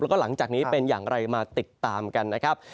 แล้วก็หลังจากนี้เป็นอย่างไรมาติดตามกันนะครับ